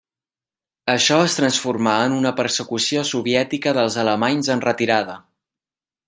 Això es transformà en una persecució soviètica dels alemanys en retirada.